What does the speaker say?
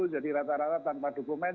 jadi rata rata tanpa dokumen